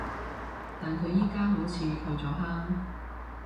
但佢而家好似退咗坑